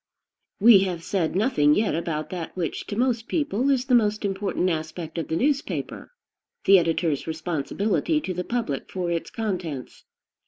We have said nothing yet about that, which, to most people, is the most important aspect of the newspaper, the editor's responsibility to the public for its contents.